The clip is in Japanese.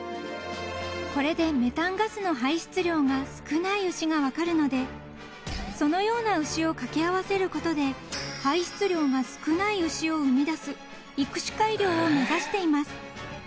［これでメタンガスの排出量が少ない牛が分かるのでそのような牛を掛け合わせることで排出量が少ない牛を生み出す育種改良を目指しています］